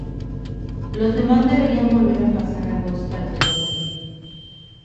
Los demás debían volver a pasar al bosque al trote.